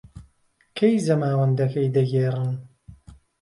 کەی زەماوەندەکەی دەگێڕن؟